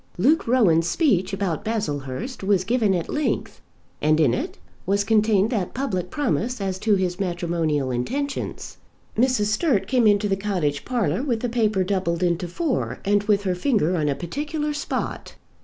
Luke Rowan's speech about Baslehurst was given at length, and in it was contained that public promise as to his matrimonial intentions. Mrs. Sturt came into the cottage parlour with the paper doubled into four, and with her finger on a particular spot.